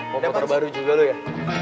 mau motor baru juga loh ya